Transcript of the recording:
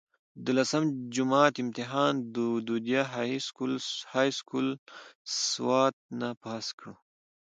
د لسم جمات امتحان د ودوديه هائي سکول سوات نه پاس کړو